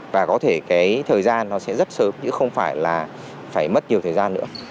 và có thể cái thời gian nó sẽ rất sớm chứ không phải là phải mất nhiều thời gian nữa